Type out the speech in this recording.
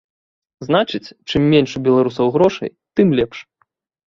Значыць, чым менш у беларусаў грошай, тым лепш.